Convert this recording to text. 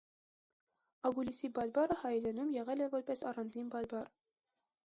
Ագուլիսի բարբառը հայերենում եղել է որպես առանձին բարբառ։